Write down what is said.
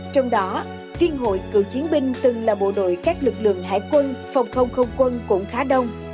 trong đó viên hội cựu chiến binh từng là bộ đội các lực lượng hải quân phòng không không quân cũng khá đông